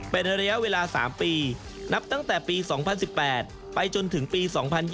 เป็นระยะเวลา๓ปีนับตั้งแต่ปี๒๐๑๘ไปจนถึงปี๒๐๒๐